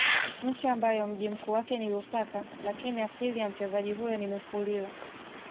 Nchi ambayo mji mkuu wake ni Lusaka lakini asili ya mchezaji huyo ni Mufulira